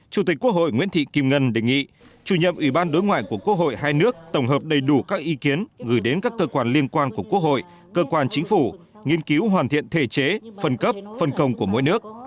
chủ tịch quốc hội nguyễn thị kim ngân đề nghị chủ nhiệm ủy ban đối ngoại của quốc hội hai nước tổng hợp đầy đủ các ý kiến gửi đến các cơ quan liên quan của quốc hội cơ quan chính phủ nghiên cứu hoàn thiện thể chế phân cấp phân công của mỗi nước